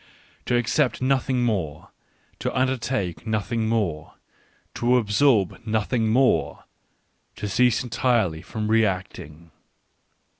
To accept noth ing more, to undertake nothing more, to absorb nothing more — to cease entirely from reacting.